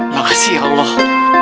makasih ya allah